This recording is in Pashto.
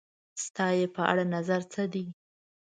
ستا یی په اړه نظر څه دی؟